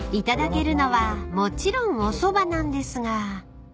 ［頂けるのはもちろんおそばなんですが］